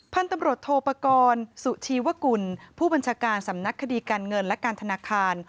พันธุ์ตำรวจโทปกรณ์สุชีวกุลผู้บัญชาการสำนักคดีการเงินและการธนาคาร